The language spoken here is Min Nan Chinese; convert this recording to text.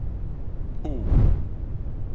殕